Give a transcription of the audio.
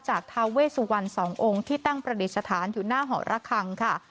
จากทาวเวสวรรค์๒องค์ที่ตั้งประเด็จสถานอยู่หน้าหอระคังค่ะ